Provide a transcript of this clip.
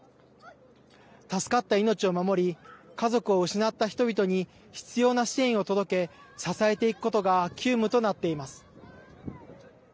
助かった命を守り家族を失った人々に必要な支援を届け支えていくことが急務となっています。